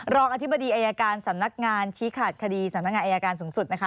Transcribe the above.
รองอธิบดีอายการสำนักงานชี้ขาดคดีสำนักงานอายการสูงสุดนะคะ